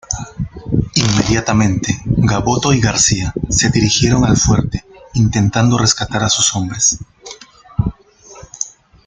Inmediatamente Gaboto y García se dirigieron al fuerte intentando rescatar a sus hombres.